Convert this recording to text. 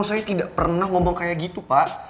saya tidak pernah ngomong kayak gitu pak